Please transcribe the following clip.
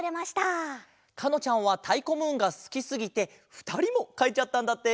かのちゃんはたいこムーンがすきすぎてふたりもかいちゃったんだって。